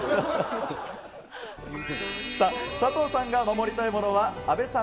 さあ、佐藤さんが護りたいものは、阿部さん